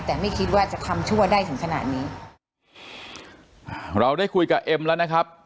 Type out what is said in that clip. แต่ไม่คิดว่าจะทำชั่วได้ถึงขนาดนี้เราได้คุยกับเอ็มแล้วนะครับ